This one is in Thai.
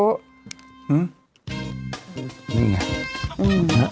อืม